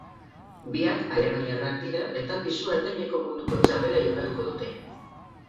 Biak alemaniarrak dira eta pisu ertaineko munduko txapela jokatuko dute.